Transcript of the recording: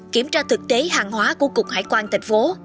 kiểm tra thực tế hàng hóa của cục hải quan thành phố